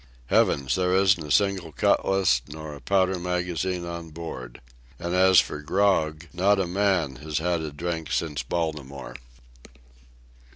Heavens!—there isn't a single cutlass nor a powder magazine on board. And as for grog, not a man has had a drink since Baltimore.